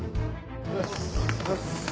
おはようございます。